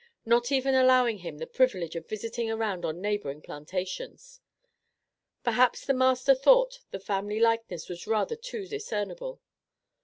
Not even allowing him the privilege of visiting around on neighboring plantations. Perhaps the master thought the family likeness was rather too discernible.